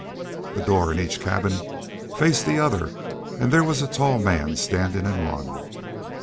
The door in each cabin faced the other, and there was a tall man standing in one.